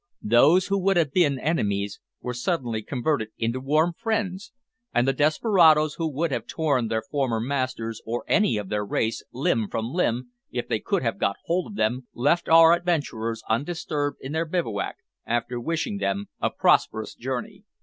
Those who would have been enemies were suddenly converted into warm friends, and the desperadoes, who would have torn their former masters, or any of their race, limb from limb, if they could have got hold of them, left our adventurers undisturbed in their bivouac, after wishing them a prosperous journey.